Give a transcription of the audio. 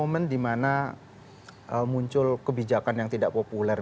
ada momen dimana muncul kebijakan yang tidak populer